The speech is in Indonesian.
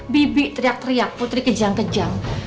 bibi teriak teriak putri kejang kejang